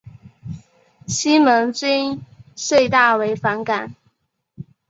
西门君遂大为反感。